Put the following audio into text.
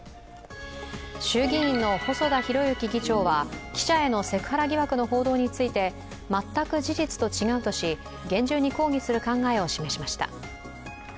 衆議院の細田博之議長は記者へのセクハラ疑惑の報道について全く事実と違うとし、厳重に抗議する考えを示しました。